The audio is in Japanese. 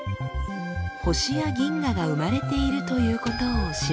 星や銀河が生まれているということを示します。